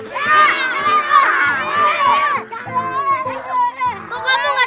kok kamu gak takut lah